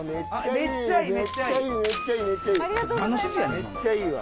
めっちゃいいわ。